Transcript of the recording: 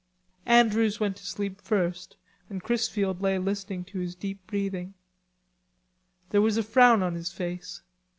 Andrews went to sleep first and Chrisfield lay listening to his deep breathing. There was a frown on his face.